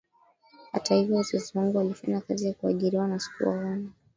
Hata hivyo wazazi wangu walifanya kazi ya kuajiriwa na sikuwaona